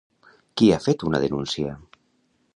Qui ha fet una denúncia?